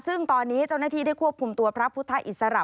ซึ่งตอนนี้เจ้าหน้าที่ได้ควบคุมตัวพระพุทธอิสระ